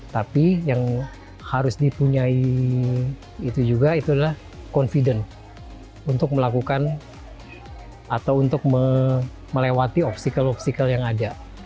tapi yang harus dipunyai itu juga adalah confidence untuk melakukan atau untuk melewati obstacle obstacle yang ada